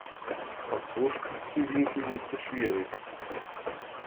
Aus so spitzem Winkel wird das schwierig.